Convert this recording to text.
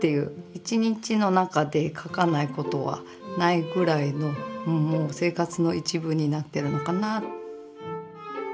一日の中で描かないことはないぐらいのもう生活の一部になってるのかな。